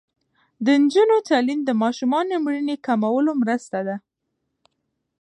د نجونو تعلیم د ماشومانو مړینې کمولو مرسته ده.